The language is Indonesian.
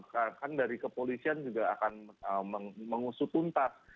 karena dari kepolisian juga akan mengusut tuntas